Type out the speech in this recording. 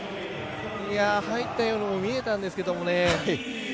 入ったようにも見えたんですけどね。